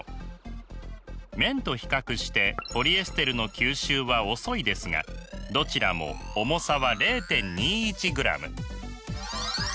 綿と比較してポリエステルの吸収は遅いですがどちらも重さは０．２１ｇ。